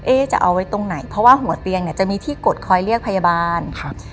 จะเอาไว้ตรงไหนเพราะว่าหัวเตียงเนี่ยจะมีที่กดคอยเรียกพยาบาลครับ